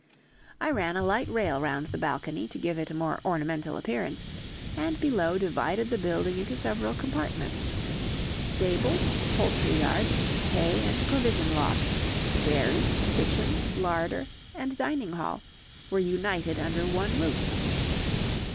I ran a light rail round the balcony to give it a more ornamental appearance, and below divided the building into several compartments. Stables, poultry yard, hay and provision lofts, dairy, kitchen, larder, and dining hall were united under one roof.